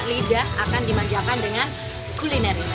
lidah akan dimanjakan dengan kulinernya